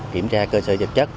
kiểm tra cơ sở dịch chất